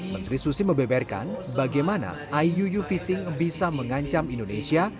menteri susi membeberkan bagaimana iuu fishing bisa mengancam indonesia